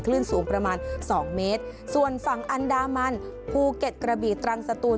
คลื่นสูงประมาณสองเมตรส่วนฝั่งอันดามันภูเก็ตกระบีตรังสตูน